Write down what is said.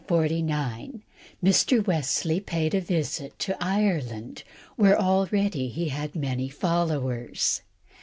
IN 1749 Mr. Wesley paid a visit to Ireland, where already he had many followers.